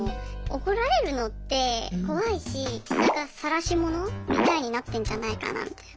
怒られるのって怖いしさらし者みたいになってんじゃないかなみたいな。